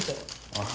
ああ。